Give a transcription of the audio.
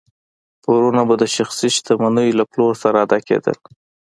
پورونه به د شخصي شتمنیو له پلور سره ادا کېدل.